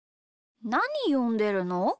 なによんでるの？